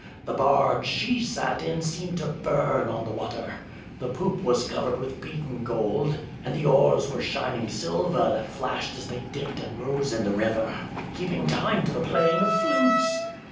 The barge she sat in seemed to burn on the water. The poop was covered with beaten gold, and the oars were shining silver that flashed as they dipped and rose in the river, keeping time to the playing of flutes.